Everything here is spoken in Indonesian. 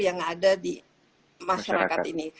yang ada di masyarakat ini